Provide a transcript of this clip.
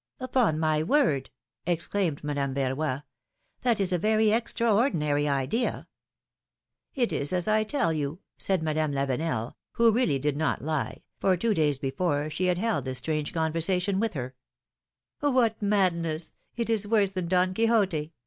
Upon my word !" exclaimed Madame Verroy; ^Hhat is a very extraordinary idea." ^Mt is as I tell you," said Madame Lavenel, who really did not lie, for two days before she had held this strange conversation with her. 82 philomene's marriages. What madness ! It is worse than Don Quixote